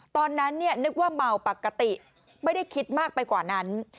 ตอนนั้นนึกว่าเมาปกติไม่ได้คิดมากไปกว่านั้น